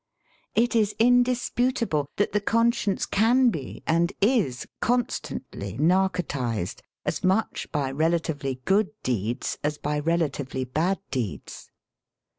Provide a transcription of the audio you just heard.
It is indis putable that the conscience can be, and is con stantly narcotised as much by relatively good deeds as by relatively bad deeds.